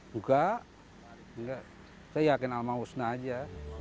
buka enggak saya yakin alamah usna aja